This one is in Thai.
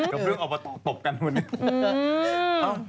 กับเรื่องเอามาตบกันทุกวังหนึ่ง